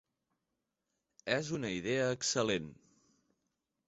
És una idea excel·lent.